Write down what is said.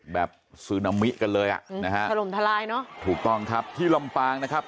ซึนามิกันเลยอ่ะอืมนะฮะถล่มทลายเนอะถูกต้องครับที่ลำปางนะครับ